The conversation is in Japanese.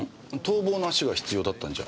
逃亡の足が必要だったんじゃ。